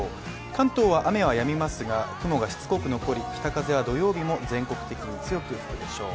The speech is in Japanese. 関東は雨はやみますが、雲がしつこく残り北風は土曜日も全国的に強く吹くでしょう。